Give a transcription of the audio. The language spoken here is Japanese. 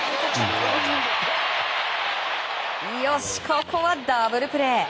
ここはダブルプレー！